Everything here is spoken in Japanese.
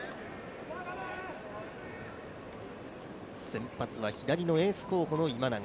先発は左のエース候補の今永。